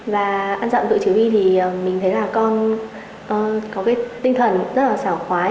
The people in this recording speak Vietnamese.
và ăn dặm tự chỉ huy thì mình thấy là con có cái tinh thần rất là sảo khoái